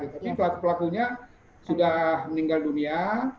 tapi pelaku pelakunya sudah meninggal dunia